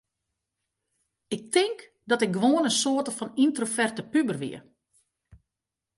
Ik tink dat ik gewoan in soarte fan yntroverte puber wie.